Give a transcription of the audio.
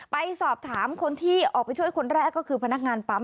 ไปสอบถามคนที่ออกไปช่วยคนแรกก็คือพนักงานปั๊ม